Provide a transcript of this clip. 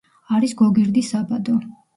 არის გოგირდის საბადო.